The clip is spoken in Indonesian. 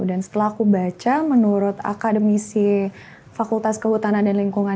dan setelah aku baca menurut akademisi fakultas kehutanan dan lingkungan